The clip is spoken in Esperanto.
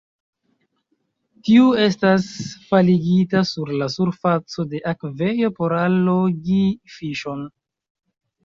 Tiu estas faligita sur la surfaco de akvejo por allogi fiŝon.